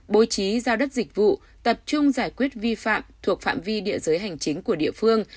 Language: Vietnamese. bố trí giao đất dịch vụ tập trung giải quyết vi phạm thuộc phạm vi địa giới hành chính của địa phương